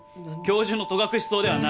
教授の戸隠草ではない！